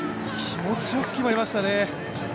気持ちよく決まりましたね。